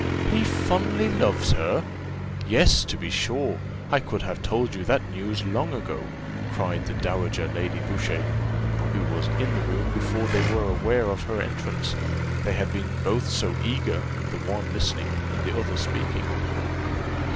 "He fondly loves her! Yes, to be sure, I could have told you that news long ago," cried the dowager Lady Boucher, who was in the room before they were aware of her entrance; they had both been so eager, the one listening, and the other speaking.